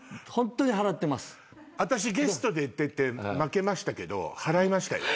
私ゲストで出て負けましたけど払いましたよ。